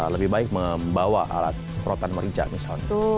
lebih baik membawa alat rotan merica misalnya